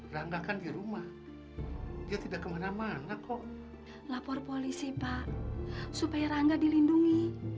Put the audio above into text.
rangga kan di rumah dia tidak kemana mana kok lapor polisi pak supaya rangga dilindungi